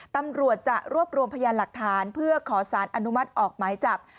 ตำรวจจะรวบรวมพยานหลักฐานเพื่อขอสารอนุมัติออกหมายจับ